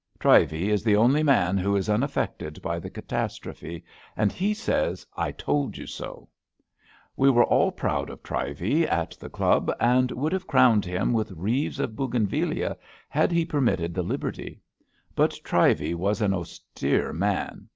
Trivey is the only man who is unaffected by the catastrophe, and he says '^ I told you so/' We were all proud of Trivey at the Club, and would have crowned him with wreaths of Bougainvillea had he permitted the liberty. But Trivey was an austere man.